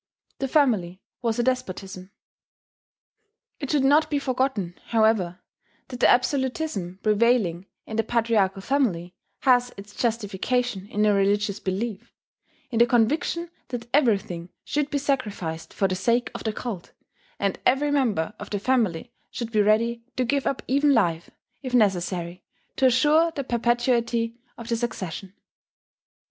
The family was a despotism. It should not be forgotten, however, that the absolutism prevailing in the patriarchal family has its justification in a religious belief, in the conviction that everything should be sacrificed for the sake of the cult, and every member of the family should be ready to give up even life, if necessary, to assure the perpetuity of the succession.